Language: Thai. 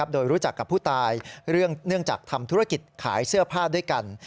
โดยรู้จักกับผู้ตายเนื่องจากทำธุรกิจขายเสื้อผ้าด้วยกัน